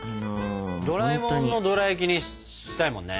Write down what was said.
ドラえもんのドラやきにしたいもんね。